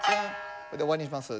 で終わりにします。